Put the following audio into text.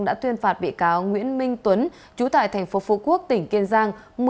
đã tuyên phạt bị cáo nguyễn minh tuấn chú tại thành phố phú quốc tỉnh kiên giang